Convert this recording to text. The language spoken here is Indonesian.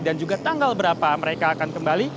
dan juga tanggal berapa mereka akan kembali